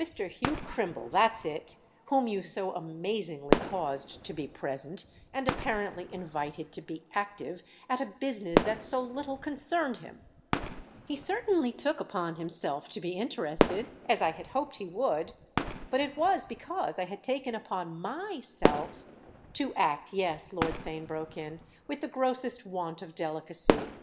"Mr. Hugh Crimble—that's it!—whom you so amazingly caused to be present, and apparently invited to be active, at a business that so little concerned him." "He certainly took upon himself to be interested, as I had hoped he would. But it was because I had taken upon my self—" "To act, yes," Lord Theign broke in, "with the grossest want of delicacy!